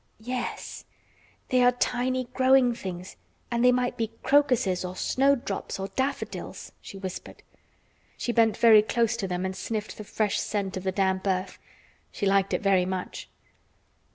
"Yes, they are tiny growing things and they might be crocuses or snowdrops or daffodils," she whispered. She bent very close to them and sniffed the fresh scent of the damp earth. She liked it very much.